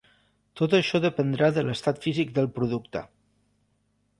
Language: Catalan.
Tot això dependrà de l'estat físic del producte.